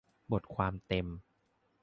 บทความเต็ม